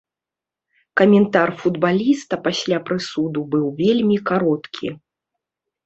Каментар футбаліста пасля прысуду быў вельмі кароткі.